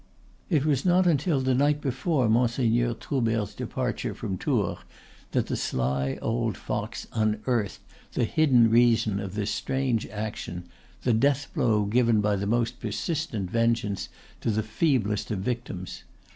It was not until the night before Monseigneur Troubert's departure from Tours that the sly old fox unearthed the hidden reason of this strange action, the deathblow given by the most persistent vengeance to the feeblest of victims.